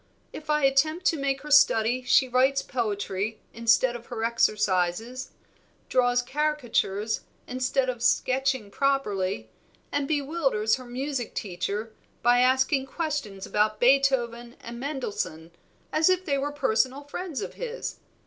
If I attempt to make her study she writes poetry instead of her exercises, draws caricatures instead of sketching properly, and bewilders her music teacher by asking questions about Beethoven and Mendelssohn, as if they were personal friends of his.